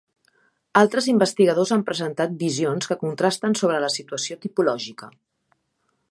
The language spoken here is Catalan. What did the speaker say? Altres investigadors han presentat visions que contrasten sobre la situació tipològica.